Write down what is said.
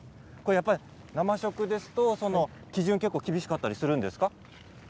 生食ですと基準が結構、厳しかったりするんですか？